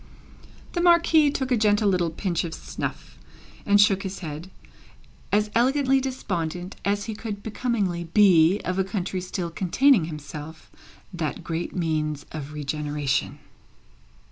The Marquis took a gentle little pinch of snuff, and shook his head; as elegantly despondent as he could becomingly be of a country still containing himself, that great means of regeneration.